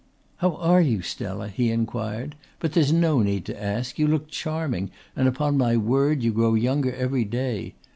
"How are you, Stella?" he inquired. "But there's no need to ask. You look charming and upon my word you grow younger every day.